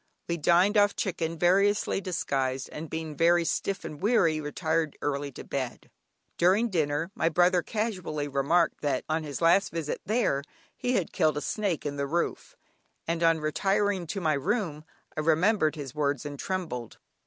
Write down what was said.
We dined off chicken variously disguised, and being very stiff and weary, retired early to bed. During dinner, my brother casually remarked that on his last visit there he had killed a snake in the roof, and on retiring to my room I remembered his words and trembled.